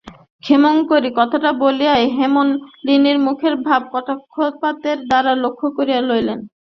ক্ষেমংকরী কথাটা বলিয়াই হেমনলিনীর মুখের ভাব কটাক্ষপাতের দ্বারা লক্ষ্য করিয়া লইলেন।